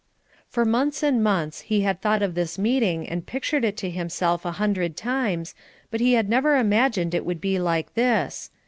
For months and months he had thought of this meeting and pictured it to himself a hundred times, but he had never imagined it would be like this.